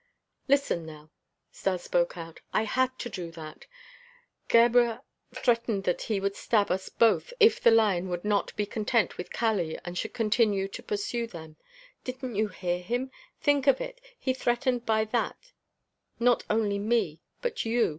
"Listen, Nell," Stas spoke out. "I had to do that Gebhr threatened that he would stab us both if the lion would not be content with Kali and should continue to pursue them. Didn't you hear him? Think of it; he threatened by that not only me, but you.